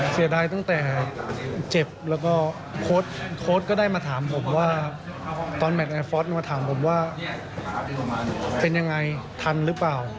เสียดายตั้งแต่เจ็บแล้วก็โค้ดก็ได้มาถามผมว่าตอนแมทฟอสมาถามผมว่าเป็นยังไงทันหรือเปล่า